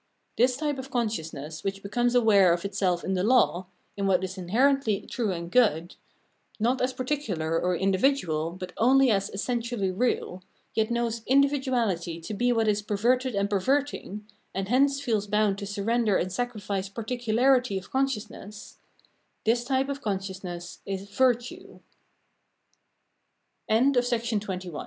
This type of con sciousness, which becomes aware of itself in the law — in what is inherently true and good — not as particular, or individual, but only as essentially real, yet knows individuahty to be what is perverted and perverting, and hence feels bound to surrender and sacrifice parti cularity of consciousness —